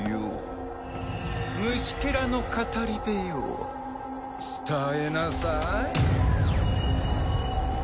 虫けらの語り部よ伝えなさい。